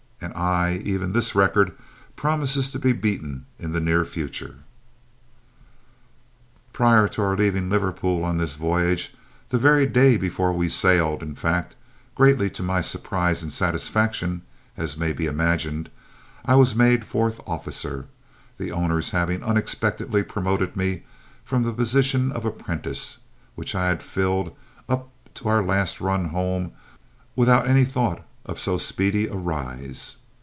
Aye, and even this "record" promises to be beaten in the near future. Prior to our leaving Liverpool on this voyage, the very day before we sailed, in fact, greatly to my surprise and satisfaction, as may be imagined, I was made fourth officer, the owners having unexpectedly promoted me from the position of "apprentice," which I had filled up to our last run home without any thought of so speedy a "rise."